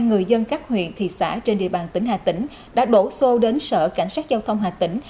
người dân các huyện thị xã trên địa bàn tỉnh hà tĩnh đã đổ xô đến sở cảnh sát giao thông hà tĩnh